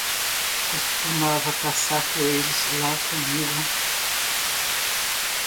Costumava caçar coelhos lá comigo.